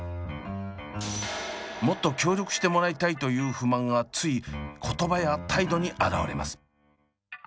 もっと協力してもらいたいという不満がつい言葉や態度に表れます。